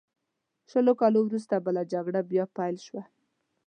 شلو کالو وروسته بله جګړه بیا پیل شوه.